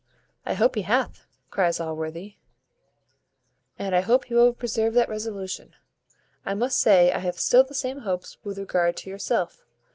"I hope he hath," cries Allworthy, "and I hope he will preserve that resolution. I must say, I have still the same hopes with regard to yourself.